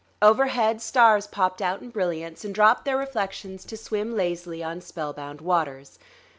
Overhead stars popped out in brilliance and dropped their reflections to swim lazily on spellbound waters....